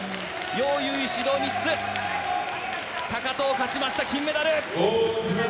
ヨウ・ユウイ指導３つで高藤勝ちました金メダル！